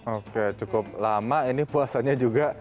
oke cukup lama ini puasanya juga